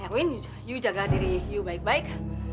erwin kamu jaga diri kamu baik baik